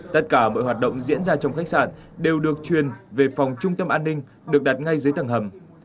tất cả mọi hoạt động diễn ra trong khách sạn đều được truyền về phòng trung tâm an ninh được đặt ngay dưới tầng hầm